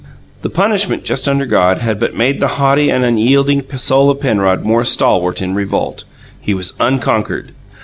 The punishment just undergone had but made the haughty and unyielding soul of Penrod more stalwart in revolt; he was unconquered.